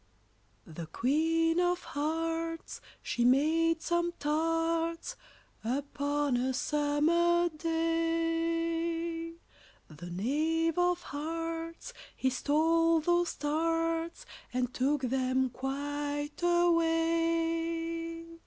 ] The Queen of Hearts, She made some tarts Upon a summer day; The Knave of Hearts, He stole those tarts, And took them quite away.